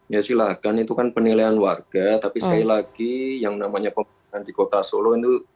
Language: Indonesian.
ya silahkan itu kan penilaian warga tapi sekali lagi yang namanya pemerintahan di kota solo itu